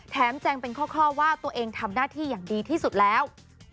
แจงเป็นข้อว่าตัวเองทำหน้าที่อย่างดีที่สุดแล้ว